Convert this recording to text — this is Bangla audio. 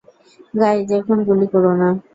গাইজ, এখন গুলি কোরো না।